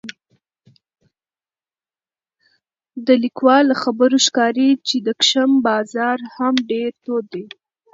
د لیکوال له خبرو ښکاري چې د کشم بازار هم ډېر تود دی